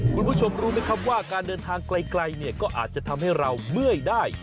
คุณผู้ชมรู้ไหมครับว่าการเดินทางไกลเนี่ยก็อาจจะทำให้เราเมื่อยได้